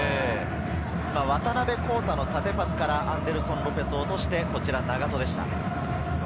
渡辺皓太の縦パスからアンデルソン・ロペス、落として、永戸でした。